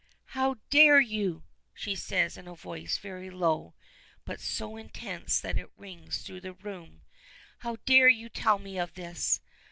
"How dare you!" she says in a voice very low but so intense that it rings through the room. "How dare you tell me of this!